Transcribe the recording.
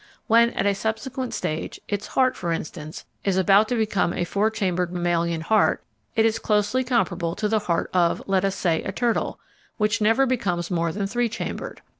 When, at a subsequent stage, its heart, for instance, is about to become a four chambered mammalian heart, it is closely comparable to the heart of, let us say, a turtle, which never becomes more than three chambered.